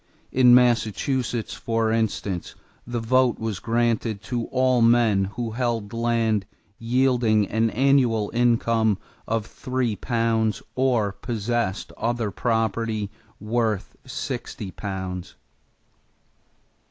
In Massachusetts, for instance, the vote was granted to all men who held land yielding an annual income of three pounds or possessed other property worth sixty pounds.